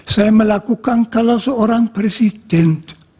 saya melakukan kalau seorang presiden